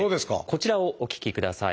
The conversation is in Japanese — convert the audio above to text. こちらをお聞きください。